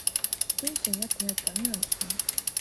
文章になってないとダメなんですね